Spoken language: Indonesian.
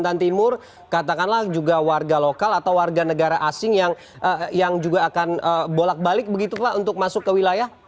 kalimantan timur katakanlah juga warga lokal atau warga negara asing yang juga akan bolak balik begitu pak untuk masuk ke wilayah